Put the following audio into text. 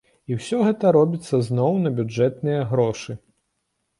І ўсё гэта робіцца зноў на бюджэтныя грошы.